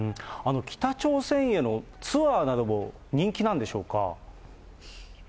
北朝鮮へのツアーなども人気なんでしょうか。